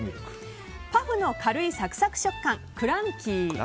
パフの軽いサクサク食感クランキー。